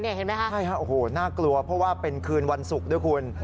เห็นไหมคะใช่ครับโอ้โหน่ากลัวเพราะว่าเป็นคืนวันศุกร์ด้วยคุณ